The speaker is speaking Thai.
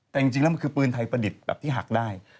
แต่จริงแล้วมันคือปืนไทยประดิษฐ์แบบที่หักได้